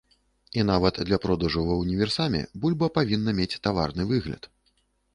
І нават для продажу ва ўніверсаме бульба павінна мець таварны выгляд.